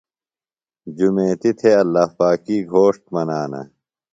جُمیتیۡ تھےۡ اللہ پاکی گھوݜٹ منانہ۔